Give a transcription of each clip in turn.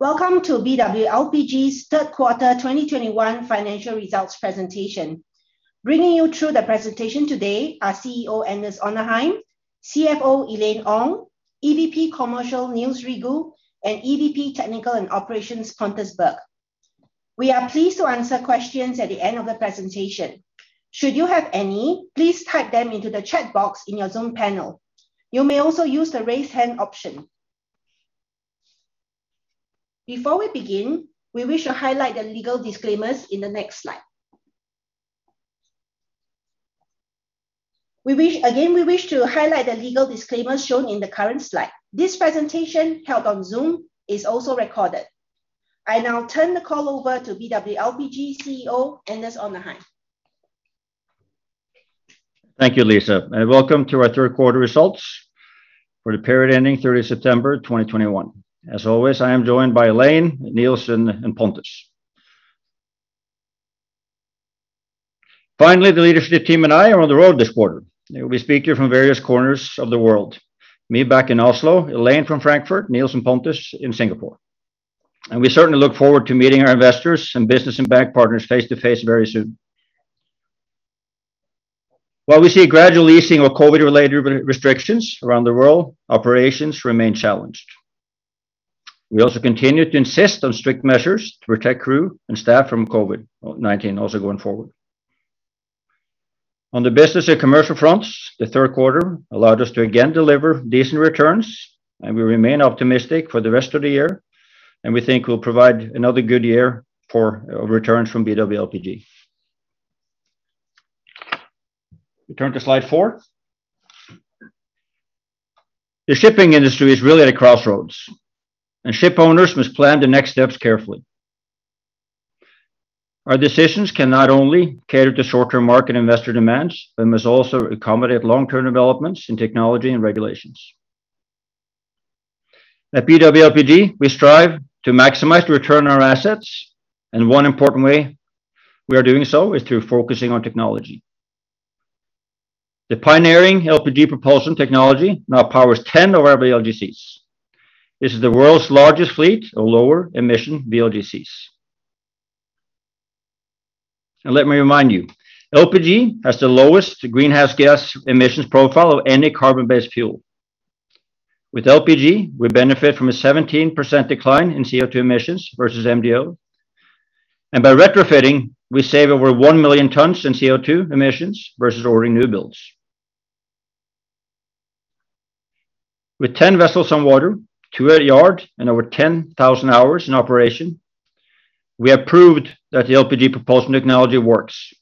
Welcome to BW LPG's Third Quarter 2021 financial results presentation. Bringing you through the presentation today are CEO Anders Onarheim, CFO Elaine Ong, EVP Commercial Niels Rigault, and EVP Technical and Operations Pontus Berg. We are pleased to answer questions at the end of the presentation. Should you have any, please type them into the chat box in your Zoom panel. You may also use the raise hand option. Before we begin, we wish to highlight the legal disclaimer shown in the current slide. This presentation, held on Zoom, is also recorded. I now turn the call over to BW LPG CEO, Anders Onarheim. Thank you, Lisa, and welcome to our third quarter results for the period ending 30 September 2021. As always, I am joined by Elaine, Nils, and Pontus. Finally, the leadership team and I are on the road this quarter. We'll be speaking from various corners of the world. Me back in Oslo, Elaine from Frankfurt, Nils and Pontus in Singapore. We certainly look forward to meeting our investors and business and bank partners face-to-face very soon. While we see a gradual easing of COVID-related restrictions around the world, operations remain challenged. We also continue to insist on strict measures to protect crew and staff from COVID-19 also going forward. On the business and commercial fronts, the third quarter allowed us to again deliver decent returns, and we remain optimistic for the rest of the year. We think we'll provide another good year for returns from BW LPG. We turn to slide four. The shipping industry is really at a crossroads, and ship owners must plan the next steps carefully. Our decisions cannot only cater to short-term market investor demands, but must also accommodate long-term developments in technology and regulations. At BW LPG, we strive to maximize the return on our assets, and one important way we are doing so is through focusing on technology. The pioneering LPG propulsion technology now powers 10 of our VLGCs. This is the world's largest fleet of lower emission VLGCs. Let me remind you, LPG has the lowest greenhouse gas emissions profile of any carbon-based fuel. With LPG, we benefit from a 17% decline in CO2 emissions versus MDO. By retrofitting, we save over 1 million tons in CO2 emissions versus ordering new builds. With 10 vessels on water, 2 at yard, and over 10,000 hours in operation, we have proved that the LPG propulsion technology works.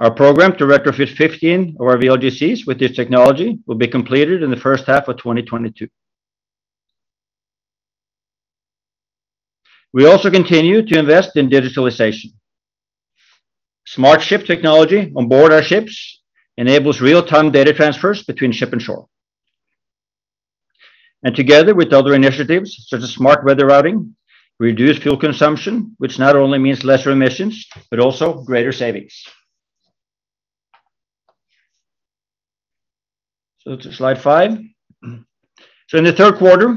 Our program to retrofit 15 of our VLGCs with this technology will be completed in the first half of 2022. We also continue to invest in digitalization. Smart ship technology on board our ships enables real-time data transfers between ship and shore. Together with other initiatives, such as smart weather routing, reduce fuel consumption, which not only means lesser emissions, but also greater savings. To slide five. In the third quarter,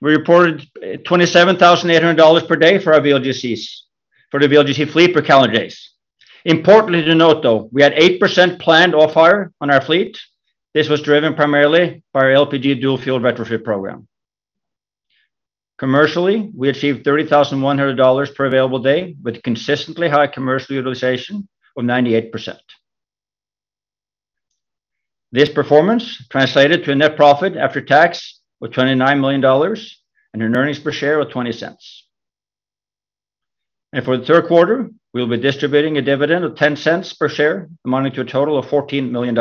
we reported $27,800 per day for our VLGCs, for the VLGC fleet per calendar days. Importantly to note, though, we had 8% planned off-hire on our fleet. This was driven primarily by our LPG dual fuel retrofit program. Commercially, we achieved $30,100 per available day with consistently high commercial utilization of 98%. This performance translated to a net profit after tax of $29 million and an earnings per share of $0.20. For the third quarter, we'll be distributing a dividend of $0.10 per share, amounting to a total of $14 million.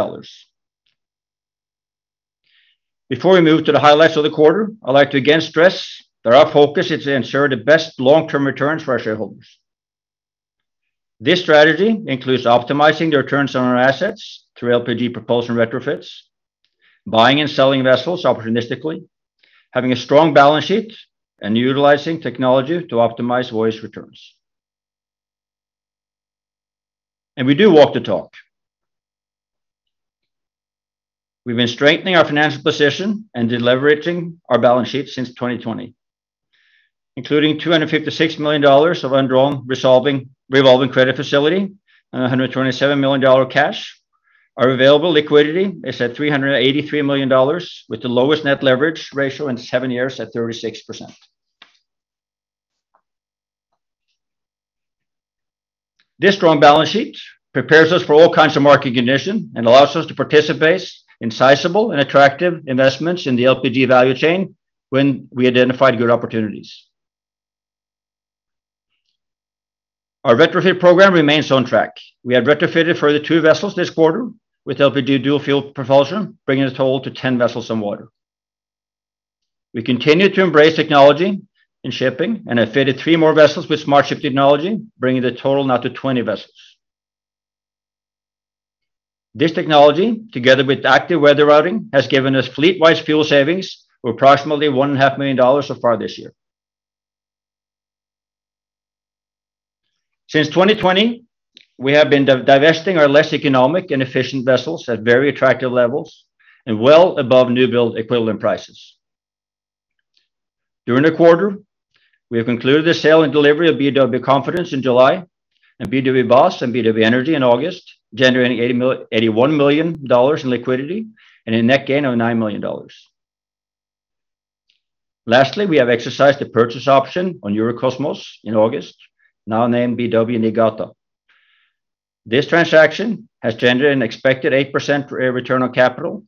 Before we move to the highlights of the quarter, I'd like to again stress that our focus is to ensure the best long-term returns for our shareholders. This strategy includes optimizing the returns on our assets through LPG propulsion retrofits, buying and selling vessels opportunistically, having a strong balance sheet, and utilizing technology to optimize voyage returns. We do walk the talk. We've been strengthening our financial position and deleveraging our balance sheet since 2020, including $256 million of undrawn revolving credit facility and $127 million dollars cash. Our available liquidity is at $383 million with the lowest net leverage ratio in seven years at 36%. This strong balance sheet prepares us for all kinds of market conditions and allows us to participate in sizable and attractive investments in the LPG value chain when we identify good opportunities. Our retrofit program remains on track. We have retrofitted further two vessels this quarter with LPG dual fuel propulsion, bringing the total to 10 vessels on water. We continue to embrace technology in shipping and have fitted three more vessels with smart ship technology, bringing the total now to 20 vessels. This technology, together with active weather routing, has given us fleet-wide fuel savings of approximately $1.5 million so far this year. Since 2020, we have been divesting our less economic and efficient vessels at very attractive levels and well above new build equivalent prices. During the quarter, we have concluded the sale and delivery of BW Confidence in July, and BW Boss and BW Energy in August, generating $81 million in liquidity and a net gain of $9 million. Lastly, we have exercised the purchase option on Yuricosmos in August, now named BW Niigata. This transaction has generated an expected 8% return on capital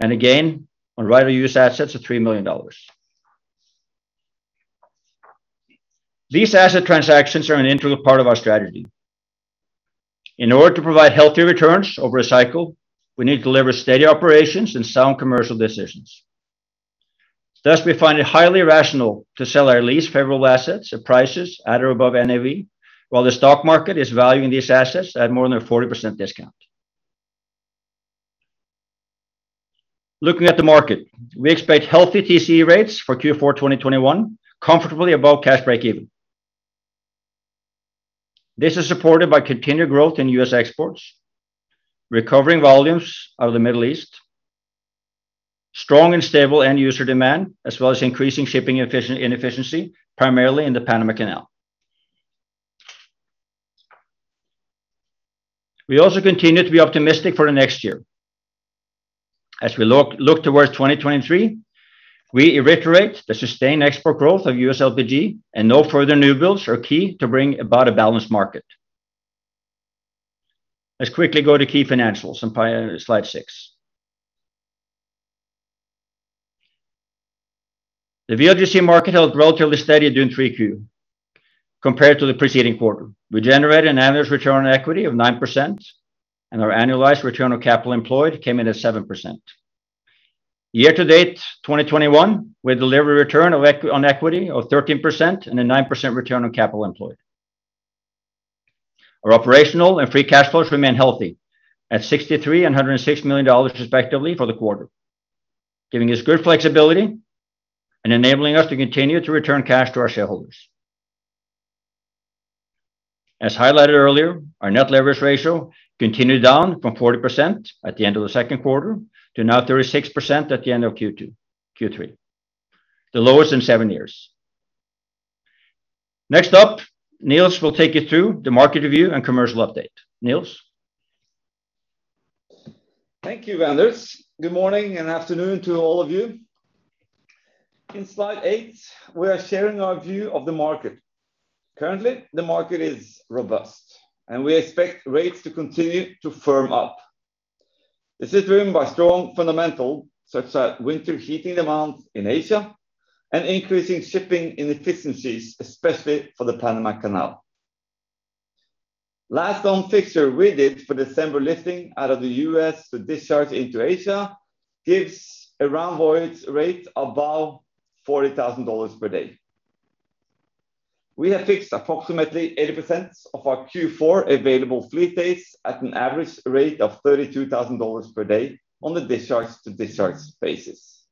and a gain on right-of-use assets of $3 million. These asset transactions are an integral part of our strategy. In order to provide healthy returns over a cycle, we need to deliver steady operations and sound commercial decisions. Thus, we find it highly rational to sell our least favorable assets at prices at or above NAV, while the stock market is valuing these assets at more than a 40% discount. Looking at the market, we expect healthy TCE rates for Q4 2021, comfortably above cash break-even. This is supported by continued growth in U.S. exports, recovering volumes out of the Middle East, strong and stable end user demand, as well as increasing shipping inefficiency, primarily in the Panama Canal. We also continue to be optimistic for the next year. As we look towards 2023, we reiterate the sustained export growth of U.S. LPG and no further new builds are key to bring about a balanced market. Let's quickly go to key financials on slide six. The VLGC market held relatively steady during Q3 compared to the preceding quarter. We generated an average return on equity of 9%, and our annualized return on capital employed came in at 7%. Year to date 2021, we delivered a return on equity of 13% and a 9% return on capital employed. Our operational and free cash flows remain healthy at $63 million and $106 million respectively for the quarter, giving us good flexibility and enabling us to continue to return cash to our shareholders. As highlighted earlier, our net leverage ratio continued down from 40% at the end of the second quarter to now 36% at the end of Q3. The lowest in seven years. Next up, Niels will take you through the market review and commercial update. Niels. Thank you, Anders. Good morning and afternoon to all of you. In slide eight, we are sharing our view of the market. Currently, the market is robust, and we expect rates to continue to firm up. This is driven by strong fundamentals such as winter heating demand in Asia and increasing shipping inefficiencies, especially for the Panama Canal. Last fixture we did for December lifting out of the U.S. to discharge into Asia gives a round voyage rate above $40,000 per day. We have fixed approximately 80% of our Q4 available fleet days at an average rate of $32,000 per day on the discharge to discharge basis.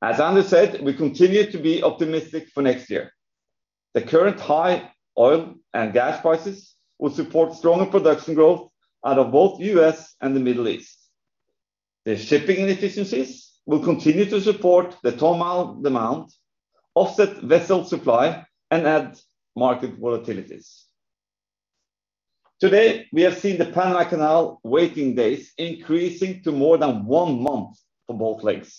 As Anders said, we continue to be optimistic for next year. The current high oil and gas prices will support stronger production growth out of both U.S. and the Middle East. The shipping inefficiencies will continue to support the ton mile demand, offset vessel supply, and add market volatilities. Today, we have seen the Panama Canal waiting days increasing to more than one month for both legs.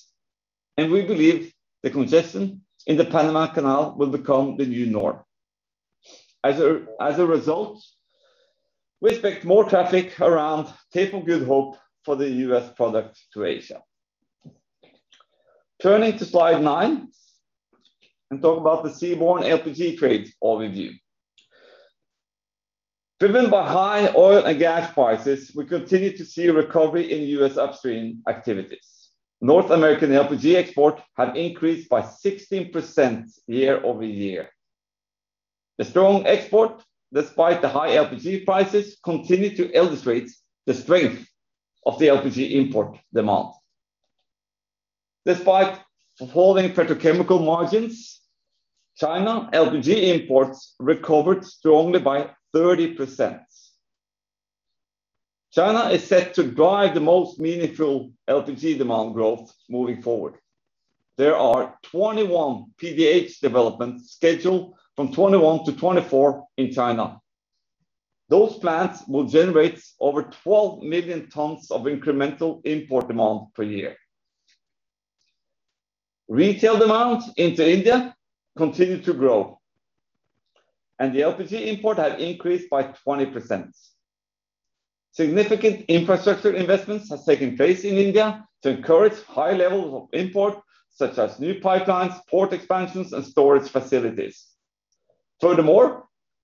We believe the congestion in the Panama Canal will become the new norm. As a result, we expect more traffic around Cape of Good Hope for the U.S. products to Asia. Turning to slide nine and talk about the seaborne LPG trades overview. Driven by high oil and gas prices, we continue to see a recovery in U.S. upstream activities. North American LPG export have increased by 16% year-over-year. The strong export, despite the high LPG prices, continue to illustrate the strength of the LPG import demand. Despite falling petrochemical margins, China LPG imports recovered strongly by 30%. China is set to drive the most meaningful LPG demand growth moving forward. There are 21 PDH developments scheduled from 2021 to 2024 in China. Those plants will generate over 12 million tons of incremental import demand per year. Retail demand into India continue to grow, and the LPG import have increased by 20%. Significant infrastructure investments has taken place in India to encourage high levels of import, such as new pipelines, port expansions, and storage facilities. Furthermore,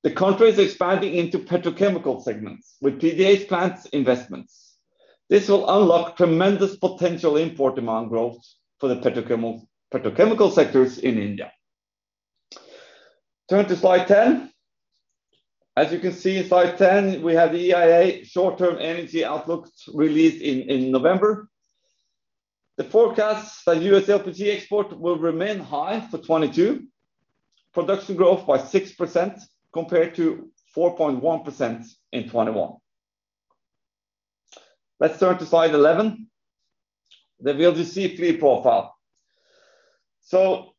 the country is expanding into petrochemical segments with PDH plants investments. This will unlock tremendous potential import demand growth for the petrochemical sectors in India. Turn to slide 10. As you can see in slide 10, we have the EIA short-term energy outlook released in November. The forecasts that U.S. LPG export will remain high for 2022. Production growth by 6% compared to 4.1% in 2021. Let's turn to slide 11. The VLGC fleet profile.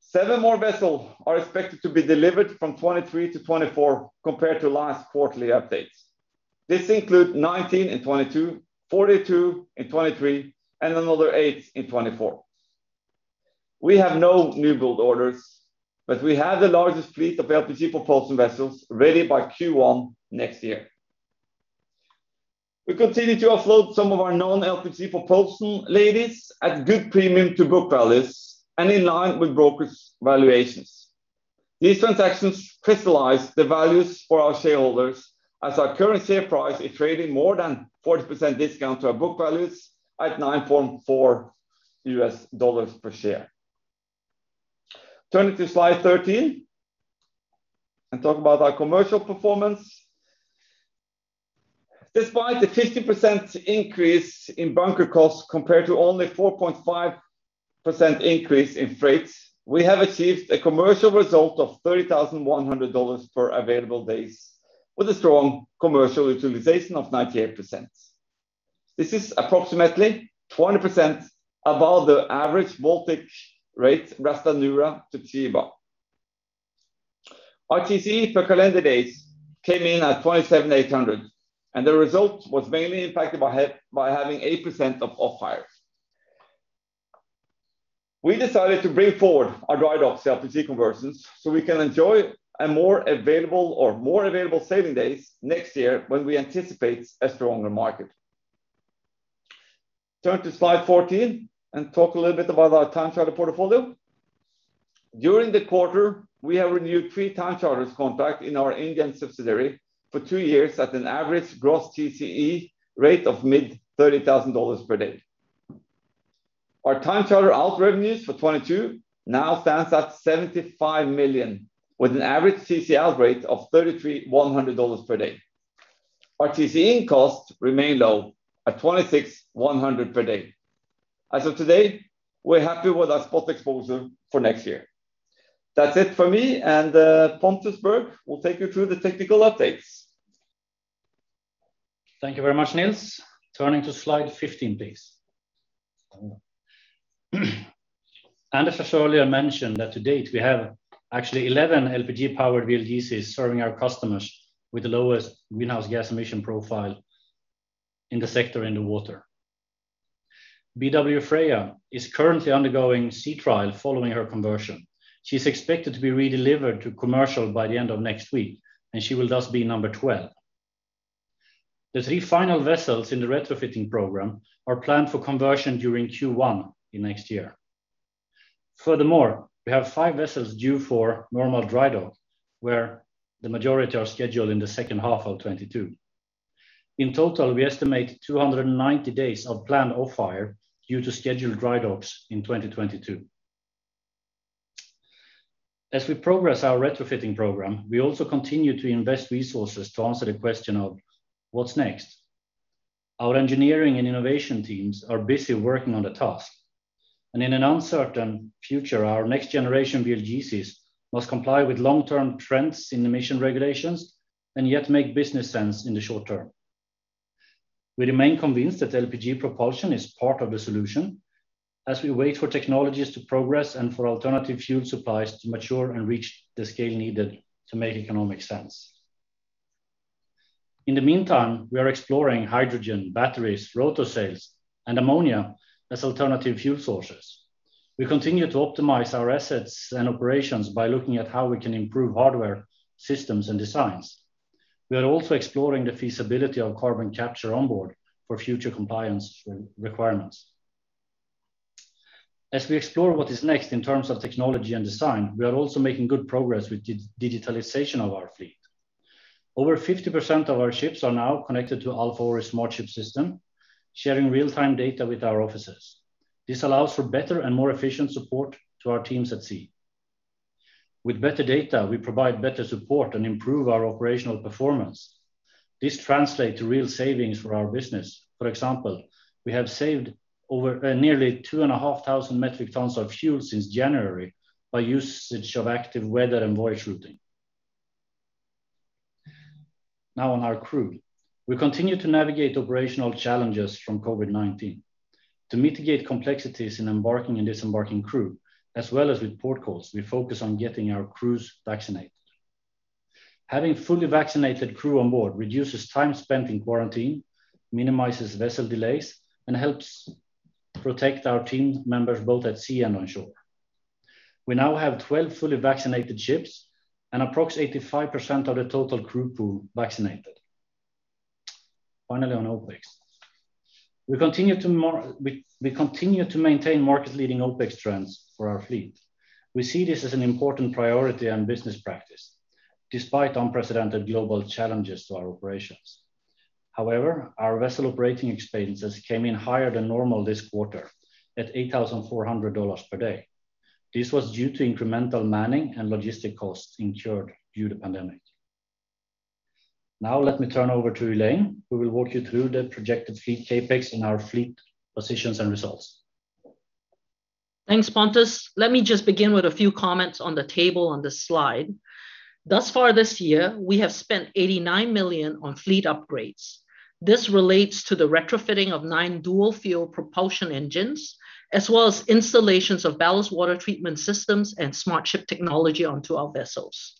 Seven more vessels are expected to be delivered from 2023 to 2024 compared to last quarterly updates. This include 19 in 2022, 42 in 2023, and another eight in 2024. We have no new build orders, but we have the largest fleet of LPG propulsion vessels ready by Q1 next year. We continue to offload some of our non-LPG propulsion [ladies] at good premium to book values and in line with brokers valuations. These transactions crystallize the values for our shareholders as our current share price is trading more than 40% discount to our book values at $9.4 per share. Turning to slide 13 and talk about our commercial performance. Despite the 50% increase in bunker costs compared to only 4.5% increase in freights, we have achieved a commercial result of $30,100 per available days with a strong commercial utilization of 98%. This is approximately 20% above the average voyage rate Ras Tanura to Chiba. Our TCE per calendar days came in at $27,800, and the result was mainly impacted by having 8% of off-hires. We decided to bring forward our drydock LPG conversions so we can enjoy a more available sailing days next year when we anticipate a stronger market. Turn to slide 14 and talk a little bit about our time charter portfolio. During the quarter, we have renewed three time charters contract in our Indian subsidiary for two years at an average gross TCE rate of mid-$30,000 per day. Our time charter out revenues for 2022 now stands at $75 million, with an average TCE rate of $33,100 per day. Our TCE in costs remain low at $26,100 per day. As of today, we're happy with our spot exposure for next year. That's it for me and, Pontus Berg will take you through the technical updates. Thank you very much, Nils. Turning to slide 15, please. [And the portfolio] mentioned that to date we have actually 11 LPG powered VLGCs serving our customers with the lowest greenhouse gas emission profile in the sector in the water. BW Freya is currently undergoing sea trial following her conversion. She is expected to be redelivered to commercial by the end of next week, and she will thus be number 12. The three final vessels in the retrofitting program are planned for conversion during Q1 in next year. Furthermore, we have five vessels due for normal drydock, where the majority are scheduled in the second half of 2022. In total, we estimate 290 days of planned off-hire due to scheduled dry docks in 2022. As we progress our retrofitting program, we also continue to invest resources to answer the question of what's next. Our engineering and innovation teams are busy working on the task. In an uncertain future, our next generation VLGCs must comply with long-term trends in emission regulations and yet make business sense in the short term. We remain convinced that LPG propulsion is part of the solution as we wait for technologies to progress and for alternative fuel supplies to mature and reach the scale needed to make economic sense. In the meantime, we are exploring hydrogen, batteries, Rotor Sails, and ammonia as alternative fuel sources. We continue to optimize our assets and operations by looking at how we can improve hardware systems and designs. We are also exploring the feasibility of carbon capture on board for future compliance requirements. As we explore what is next in terms of technology and design, we are also making good progress with digitalization of our fleet. Over 50% of our ships are now connected to Alfa Laval's smart ship system, sharing real-time data with our offices. This allows for better and more efficient support to our teams at sea. With better data, we provide better support and improve our operational performance. This translates to real savings for our business. For example, we have saved nearly 2,500 metric tons of fuel since January by usage of active weather and voyage routing. Now, on our crew. We continue to navigate operational challenges from COVID-19. To mitigate complexities in embarking and disembarking crew, as well as with port calls, we focus on getting our crews vaccinated. Having fully vaccinated crew on board reduces time spent in quarantine, minimizes vessel delays, and helps protect our team members both at sea and on shore. We now have 12 fully vaccinated ships and approximately 85% of the total crew pool vaccinated. Finally, on OpEx. We continue to maintain market-leading OpEx trends for our fleet. We see this as an important priority and business practice, despite unprecedented global challenges to our operations. However, our vessel operating expenses came in higher than normal this quarter at $8,400 per day. This was due to incremental manning and logistics costs incurred due to pandemic. Now let me turn over to Elaine, who will walk you through the projected fleet CapEx and our fleet positions and results. Thanks, Pontus. Let me just begin with a few comments on the table on this slide. Thus far this year, we have spent $89 million on fleet upgrades. This relates to the retrofitting of nine dual fuel propulsion engines, as well as installations of ballast water treatment systems and smart ship technology onto our vessels.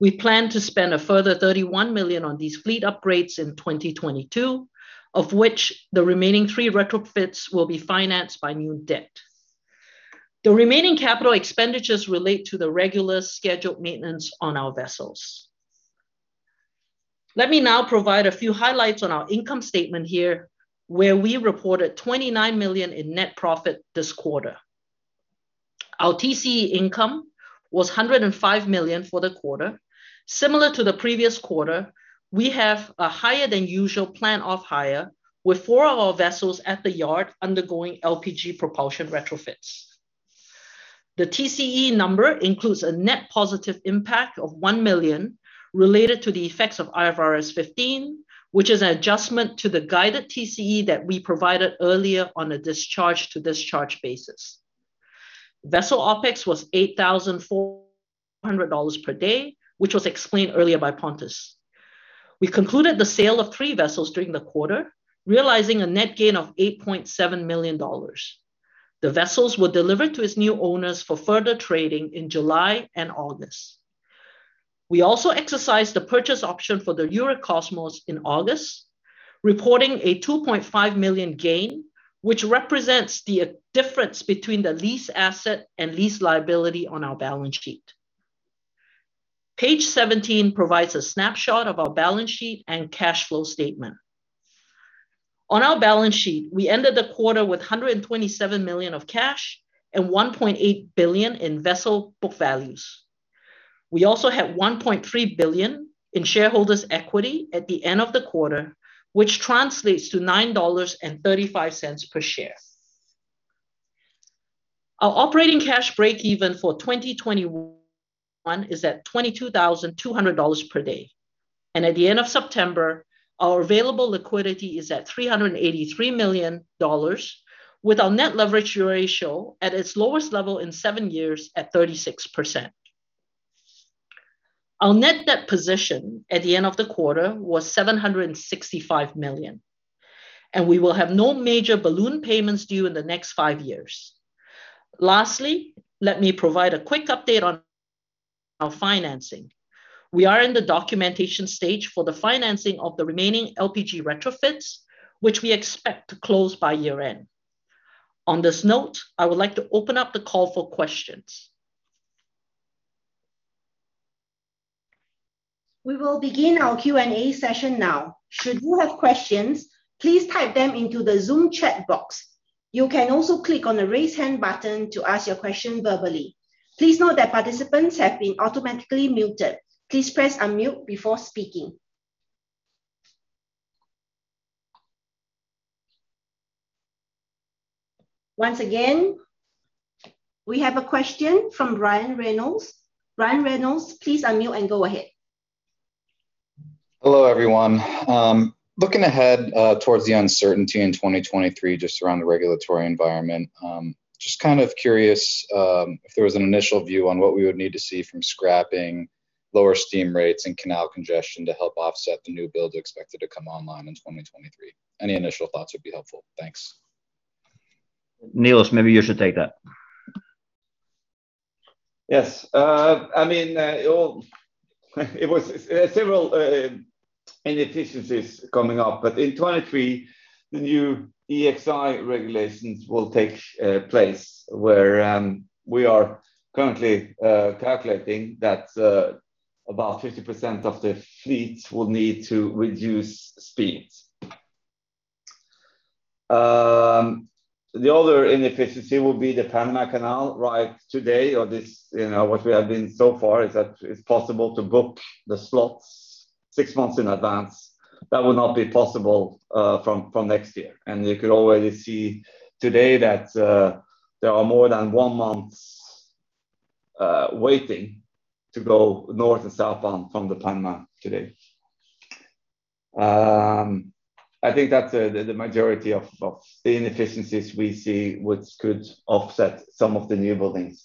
We plan to spend a further $31 million on these fleet upgrades in 2022, of which the remaining three retrofits will be financed by new debt. The remaining capital expenditures relate to the regular scheduled maintenance on our vessels. Let me now provide a few highlights on our income statement here, where we reported $29 million in net profit this quarter. Our TCE income was $105 million for the quarter. Similar to the previous quarter, we have a higher than usual plan off-hire, with four of our vessels at the yard undergoing LPG propulsion retrofits. The TCE number includes a net positive impact of $1 million related to the effects of IFRS 15, which is an adjustment to the guided TCE that we provided earlier on a discharge to discharge basis. Vessel OpEx was $8,400 per day, which was explained earlier by Pontus. We concluded the sale of three vessels during the quarter, realizing a net gain of $8.7 million. The vessels were delivered to its new owners for further trading in July and August. We also exercised the purchase option for the Yuricosmos in August, reporting a $2.5 million gain, which represents the difference between the lease asset and lease liability on our balance sheet. Page seventeen provides a snapshot of our balance sheet and cash flow statement. On our balance sheet, we ended the quarter with $127 million of cash and $1.8 billion in vessel book values. We also had $1.3 billion in shareholders' equity at the end of the quarter, which translates to $9.35 per share. Our operating cash break-even for 2021 is at $22,200 per day. At the end of September, our available liquidity is at $383 million, with our net leverage ratio at its lowest level in seven years at 36%. Our net debt position at the end of the quarter was $765 million, and we will have no major balloon payments due in the next five years. Lastly, let me provide a quick update on our financing. We are in the documentation stage for the financing of the remaining LPG retrofits, which we expect to close by year-end. On this note, I would like to open up the call for questions. We will begin our Q&A session now. Should you have questions, please type them into the Zoom chat box. You can also click on the Raise Hand button to ask your question verbally. Please note that participants have been automatically muted. Please press unmute before speaking. Once again, we have a question from Ryan Reynolds. Ryan Reynolds, please unmute and go ahead. Hello, everyone. Looking ahead, towards the uncertainty in 2023, just around the regulatory environment, just kind of curious, if there was an initial view on what we would need to see from scrapping lower steam rates and canal congestion to help offset the new builds expected to come online in 2023. Any initial thoughts would be helpful. Thanks. Niels, maybe you should take that. Yes. I mean, well, it was several inefficiencies coming up, but in 2023, the new EEXI regulations will take place where we are currently calculating that about 50% of the fleet will need to reduce speeds. The other inefficiency will be the Panama Canal. What we have so far is that it's possible to book the slots six months in advance. That will not be possible from next year. You could already see today that there are more than one month's waiting to go north and southbound from the Panama Canal today. I think that's the majority of the inefficiencies we see which could offset some of the new buildings.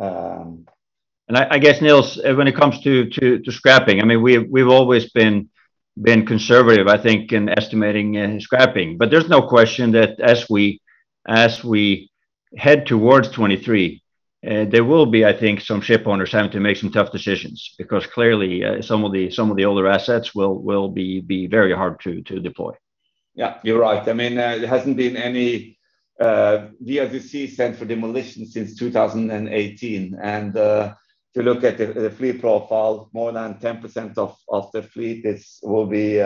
I guess, Niels, when it comes to scrapping, I mean, we've always been conservative, I think, in estimating and scrapping. There's no question that as we head towards 2023, there will be, I think, some ship owners having to make some tough decisions because clearly, some of the older assets will be very hard to deploy. Yeah, you're right. I mean, there hasn't been any VLGC sent for demolition since 2018, and if you look at the fleet profile, more than 10% of the fleet will be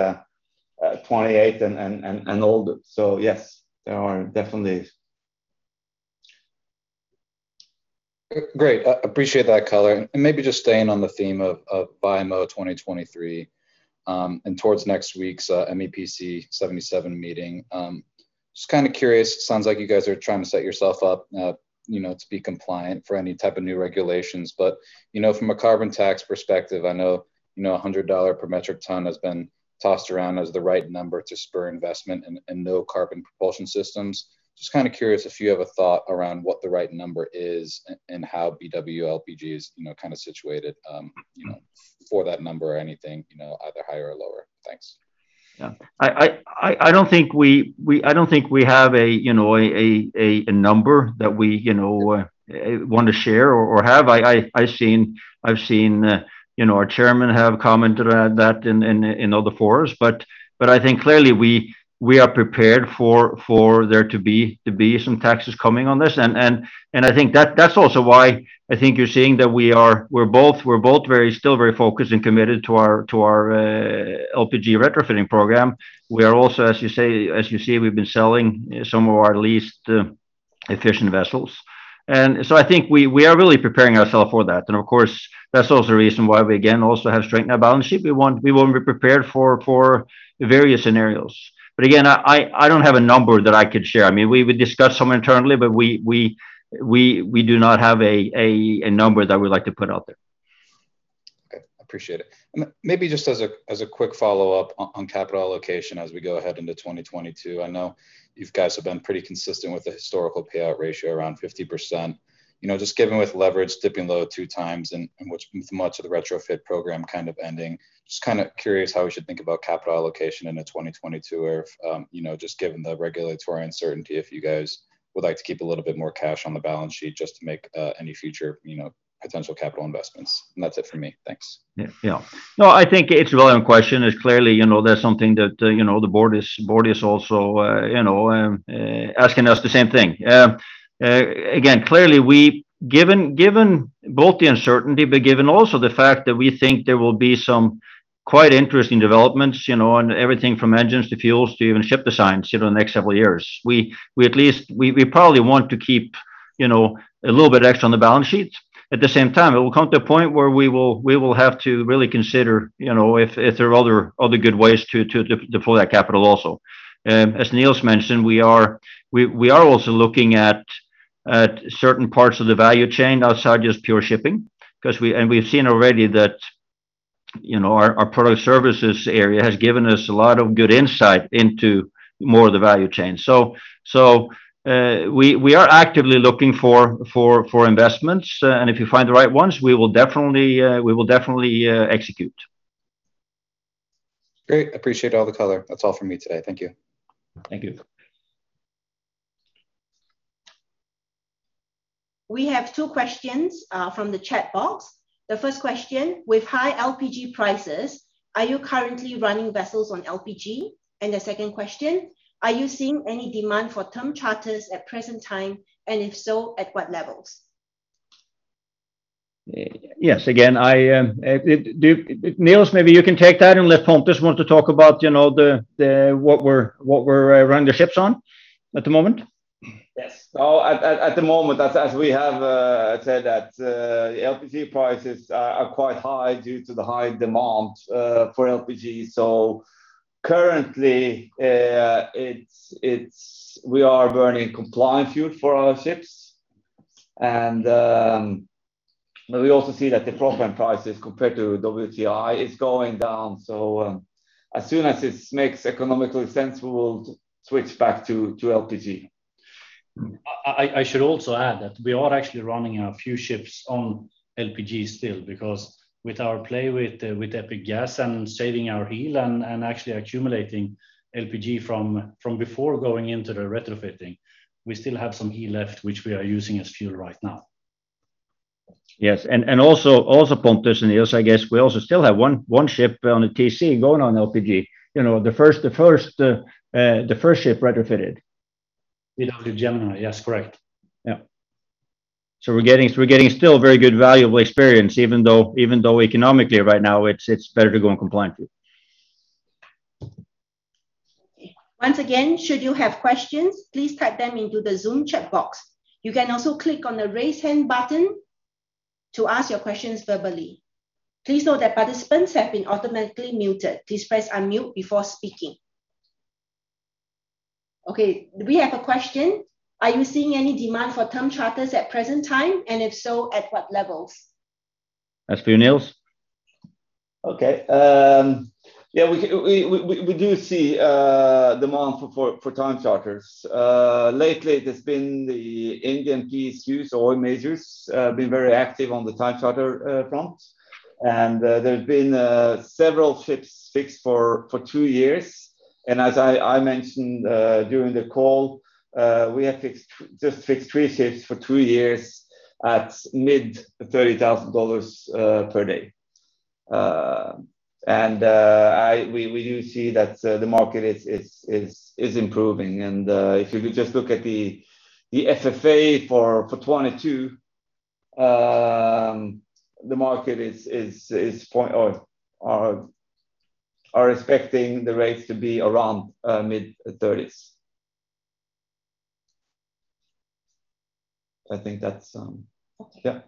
28 and older. So yes, there are definitely. Great. Appreciate that color. Maybe just staying on the theme of IMO 2023 and towards next week's MEPC 77 meeting. Just kind of curious, sounds like you guys are trying to set yourself up, you know, to be compliant for any type of new regulations. But you know, from a carbon tax perspective, I know you know, $100 per metric ton has been tossed around as the right number to spur investment in no carbon propulsion systems. Just kind of curious if you have a thought around what the right number is and how BW LPG is, you know, kind of situated, you know, for that number or anything, you know, either higher or lower. Thanks. Yeah. I don't think we have a, you know, a number that we, you know, want to share or have. I've seen our chairman have commented on that in other forums. I think clearly we are prepared for there to be some taxes coming on this. I think that's also why I think you're seeing that we are, we're both very still very focused and committed to our LPG retrofitting program. We are also, as you say, as you see, we've been selling some of our least efficient vessels. I think we are really preparing ourself for that. Of course, that's also a reason why we, again, also have strengthened our balance sheet. We wanna be prepared for various scenarios. Again, I don't have a number that I could share. I mean, we would discuss some internally, but we do not have a number that we'd like to put out there. Okay. Appreciate it. Maybe just as a quick follow-up on capital allocation as we go ahead into 2022. I know you guys have been pretty consistent with the historical payout ratio, around 50%. You know, just given with leverage dipping low 2x and which much of the retrofit program kind of ending, just kind of curious how we should think about capital allocation into 2022 where, you know, just given the regulatory uncertainty, if you guys would like to keep a little bit more cash on the balance sheet just to make any future, you know, potential capital investments. That's it for me. Thanks. Yeah. No, I think it's a relevant question. It's clearly, you know, that's something that, you know, the board is also, you know, asking us the same thing. Again, clearly, given both the uncertainty, but given also the fact that we think there will be some quite interesting developments, you know, on everything from engines to fuels to even ship designs, you know, in the next several years, we at least, we probably want to keep, you know, a little bit extra on the balance sheet. At the same time, it will come to a point where we will have to really consider, you know, if there are other good ways to deploy that capital also. As Niels mentioned, we are also looking at certain parts of the value chain outside just pure shipping, 'cause we've seen already that, you know, our Product Services area has given us a lot of good insight into more of the value chain. We are actively looking for investments. If you find the right ones, we will definitely execute. Great. Appreciate all the color. That's all from me today. Thank you. Thank you. We have two questions from the chat box. The first question: With high LPG prices, are you currently running vessels on LPG? And the second question: Are you seeing any demand for term charters at present time, and if so, at what levels? Yes. Again, I, Niels, maybe you can take that, unless Pontus want to talk about, you know, the what we're running the ships on at the moment. Yes. At the moment, as we have said that LPG prices are quite high due to the high demand for LPG. Currently, we are burning compliant fuel for our ships. But we also see that the propane prices compared to WTI is going down. As soon as this makes economic sense, we will switch back to LPG. I should also add that we are actually running a few ships on LPG still because with our play with Epic Gas and saving our heel and actually accumulating LPG from before going into the retrofitting, we still have some heel left which we are using as fuel right now. Yes. Also Pontus and Nils, I guess we also still have one ship on a TC going on LPG. You know, the first ship retrofitted. The BW Gemini. Yes, correct. Yeah. We're getting still very good valuable experience, even though economically right now it's better to go on compliant fuel. Okay. Once again, should you have questions, please type them into the Zoom chat box. You can also click on the Raise Hand button to ask your questions verbally. Please note that participants have been automatically muted. Please press unmute before speaking. Okay, we have a question. Are you seeing any demand for term charters at present time, and if so, at what levels? That's for you, Niels. Okay. Yeah, we do see demand for time charters. Lately, the Indian PSUs oil majors have been very active on the time charter front. There have been several ships fixed for two years. As I mentioned during the call, we have just fixed three ships for two years at mid-$30,000 per day. We do see that the market is improving. If you just look at the FFA for 2022, the market is, or are, expecting the rates to be around mid-$30s. I think that's. Okay. Yeah.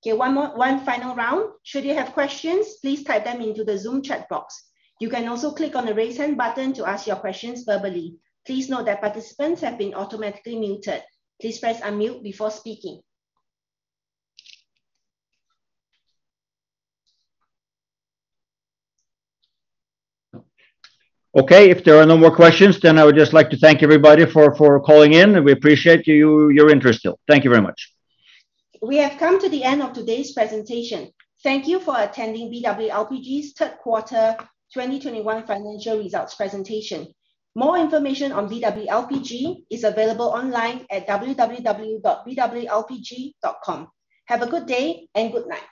Okay, one more, one final round. Should you have questions, please type them into the Zoom chat box. You can also click on the Raise Hand button to ask your questions verbally. Please note that participants have been automatically muted. Please press unmute before speaking. Okay. If there are no more questions, then I would just like to thank everybody for calling in, and we appreciate you, your interest still. Thank you very much. We have come to the end of today's presentation. Thank you for attending BW LPG's Third Quarter 2021 financial results presentation. More information on BW LPG is available online at www.bwlpg.com. Have a good day and good night.